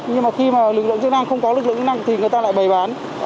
nhưng khi lực lượng chức năng không có lực lượng chức năng thì người ta lại bày bán